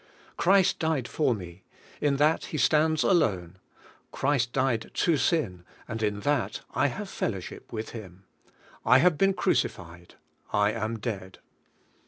Christ died for me. In that He stands alone. Christ died to sin, and in that I have fellowship with Him. I have been crucified, I am dead.